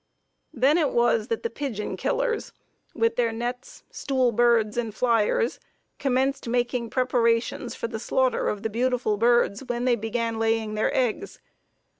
Then it was that the pigeon killers, with their nets, stool birds and flyers commenced making preparations for the slaughter of the beautiful birds when they began laying their eggs.